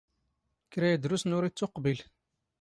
ⴽⵔⴰ ⵉⴷⵔⵓⵙⵏ ⵓⵔ ⵉⵜⵜⵓⵇⴱⵉⵍ.